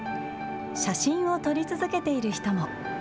写真を撮り続けている人も。